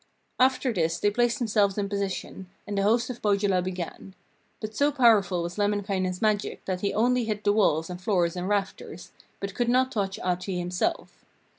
After this they placed themselves in position, and the host of Pohjola began. But so powerful was Lemminkainen's magic that he only hit the walls and floor and rafters, but could not touch Ahti himself.